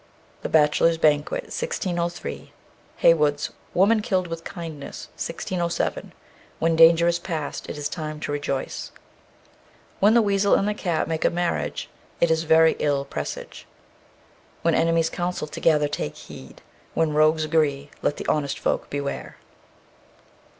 _ "The Bachelor's Banquet," 1603. Heywood's "Woman Killed with Kindness," 1607. When danger is past, it is time to rejoice. When the weasel and the cat make a marriage, it is very ill presage. When enemies counsel together, take heed; when rogues agree, let the honest folk beware.